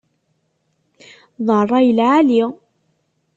D rray n lεali.